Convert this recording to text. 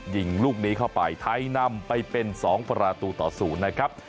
ยิงลูกนี้เข้าไปไทยนำไปเป็น๒ประตูต่อ๐นะครับ